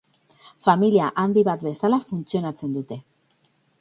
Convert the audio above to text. Familia handi bat bezala funtzionatzen dute.